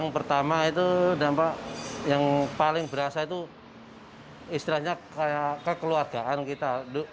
pertama itu dampak yang paling berasa itu istilahnya kekeluargaan kita